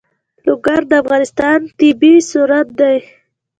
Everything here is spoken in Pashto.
لوگر د افغانستان طبعي ثروت دی.